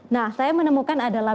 nah saya menemukan adalah